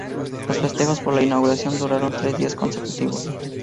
Los festejos por la inauguración duraron tres días consecutivos.